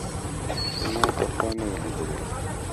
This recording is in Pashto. چې ما پخوا نه و ليدلى.